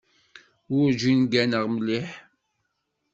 Werǧin gganeɣ mliḥ.